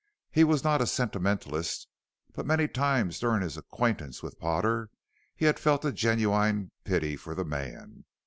He was not a sentimentalist, but many times during his acquaintance with Potter he had felt a genuine pity for the man.